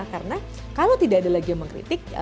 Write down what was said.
karena kalau tidak ada lagi yang mengkritik